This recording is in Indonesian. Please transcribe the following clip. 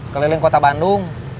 keliling kota bandung